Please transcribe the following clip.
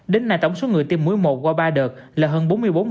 đến nay tổng số người tiêm muối một qua ba đợt là hơn bốn mươi bốn